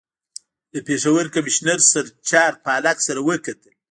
له پېښور کمیشنر سر ریچارډ پالک سره وکتل.